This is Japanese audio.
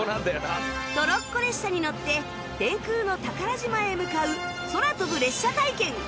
トロッコ列車に乗って天空の宝島へ向かう空飛ぶ列車体験